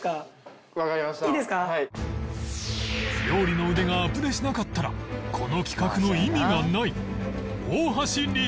料理の腕がアプデしなかったらこの企画の意味がない